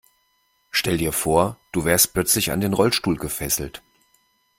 Stell dir vor, du wärst plötzlich an den Rollstuhl gefesselt.